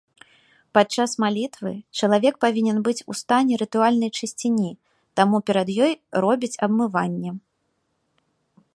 Падчас малітвы чалавек павінен быць у стане рытуальнай чысціні, таму перад ёй робіць абмыванне.